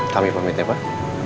kami pamit ya pak